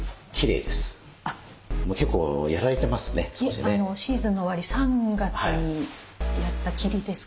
いえシーズンの終わり３月にやったきりですけど。